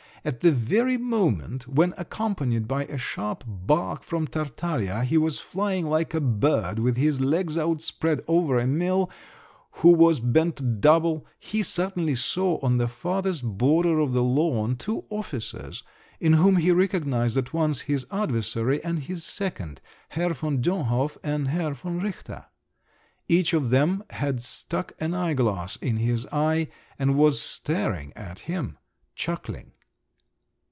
At the very moment when, accompanied by a sharp bark from Tartaglia, he was flying like a bird, with his legs outspread over Emil, who was bent double, he suddenly saw on the farthest border of the lawn two officers, in whom he recognised at once his adversary and his second, Herr von Dönhof and Herr von Richter! Each of them had stuck an eyeglass in his eye, and was staring at him, chuckling!